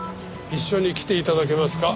一緒に来て頂けますか？